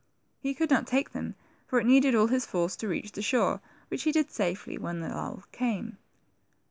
He could not take them, for it needed all his force to reach the shore, which he did safely, when the lull came.